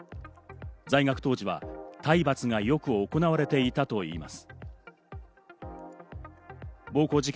在学当時は体罰がよく行われていたといいます。